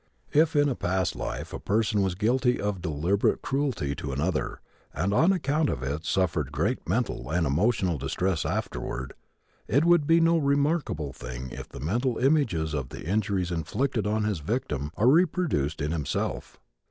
If in a past life a person was guilty of deliberate cruelty to another, and on account of it suffered great mental and emotional distress afterward, it would be no remarkable thing if the mental images of the injuries inflicted on his victim are reproduced in himself.